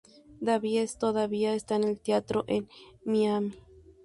Davies todavía está en el teatro en Miami.